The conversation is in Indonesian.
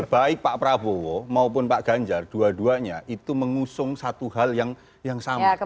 baik pak prabowo maupun pak ganjar dua duanya itu mengusung satu hal yang sama